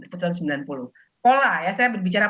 putusan sembilan puluh pola saya berbicara